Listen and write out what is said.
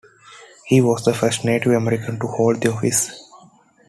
He was the first Native American to hold the office.